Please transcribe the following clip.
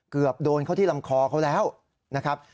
เกือบโดนเข้าที่ลำคอเขาแล้วนะครับ